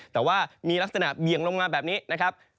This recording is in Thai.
แต่ว่ามีลักษณะเบี่ยงลงมาแบบนี้นะครับ